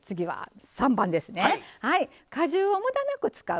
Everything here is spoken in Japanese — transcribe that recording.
「果汁をムダなく使う」。